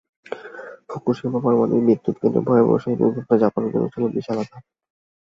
Fukushima পারমাণবিক বিদ্যুৎকেন্দ্রে ভয়াবহ সেই দুর্ঘটনা জাপানের জন্য ছিল বিশাল আঘাত।